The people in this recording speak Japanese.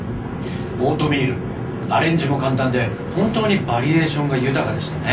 オートミールアレンジも簡単で本当にバリエーションが豊かでしたね。